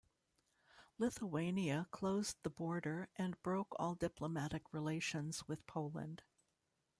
Lithuania closed the border and broke all diplomatic relations with Poland.